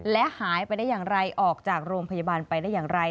และหายไปได้อย่างไรออกจากโรงพยาบาลไปได้อย่างไร